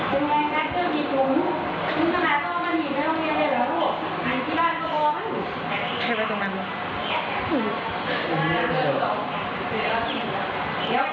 พวกคุณมาจัดที่บ้านก็กลัวแล้วพวกคุณมาอยู่ที่โรงเรียน